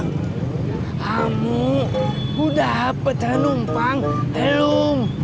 kamu udah apa dan umpang helum